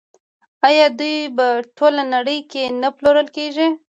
آیا دوی په ټوله نړۍ کې نه پلورل کیږي؟